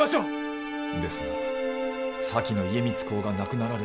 ですが先の家光公が亡くなられ。